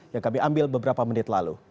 yang kami ambil beberapa menit lalu